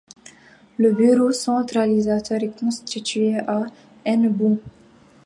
Le bureau centralisateur est situé à Hennebont.